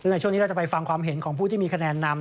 ในช่วงนี้เราจะไปฟังความเห็นของผู้ที่มีคะแนนนำ